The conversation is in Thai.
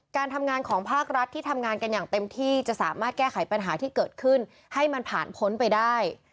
การทำงานของภาครัฐที่ทำงานกันอย่างเต็มที่จะสามารถแก้ไขปัญหาที่เกิดขึ้นให้มันผ่านพ้นไปได้